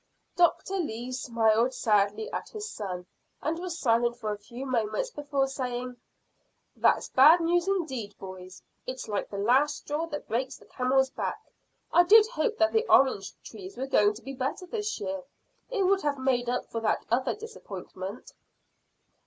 Doctor Lee smiled sadly at his son, and was silent for a few moments before saying "That's bad news indeed, boys; it's like the last straw that breaks the camel's back. I did hope that the orange trees were going to be better this year; it would have made up for that other disappointment."